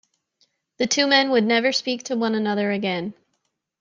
The two men would never speak to one another again.